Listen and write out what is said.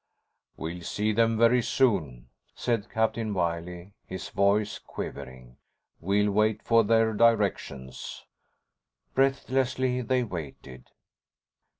"We'll see them very soon," said Captain Wiley, his voice quivering. "We'll wait for their directions." Breathlessly, they waited.